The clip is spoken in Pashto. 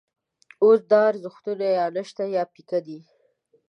اوس دا ارزښتونه یا نشته یا پیکه دي.